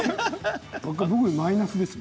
僕マイナスですよ。